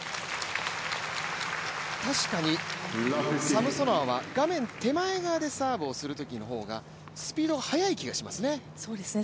確かにサムソノワは画面手前側でサーブをするときの方がスピードが速い気がしますね。